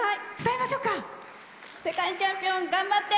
世界チャンピオン頑張って！